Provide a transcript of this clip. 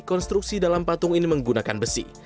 konstruksi dalam patung ini menggunakan besi